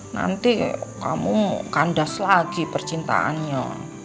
nanti kamu kandas lagi percintaannya